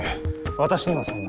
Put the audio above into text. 私にはそんな。